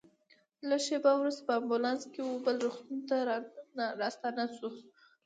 لږ شېبه وروسته په امبولانس کې وه بل روغتون ته راستانه شوو.